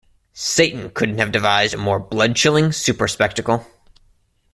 Satan couldn't have devised a more blood-chilling super-spectacle.